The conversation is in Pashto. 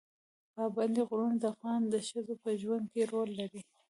پابندی غرونه د افغان ښځو په ژوند کې رول لري.